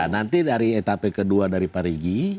nanti dari etape kedua dari parigi